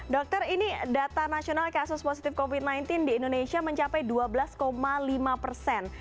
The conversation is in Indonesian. dokter ini data nasional kasus positif covid sembilan belas di indonesia mencapai dua belas lima persen